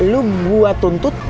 lu buat tuntut